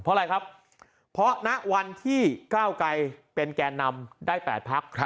เพราะอะไรครับเพราะณวันที่ก้าวไกรเป็นแกนนำได้๘พัก